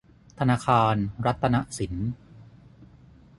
ธนาคารรัตนสิน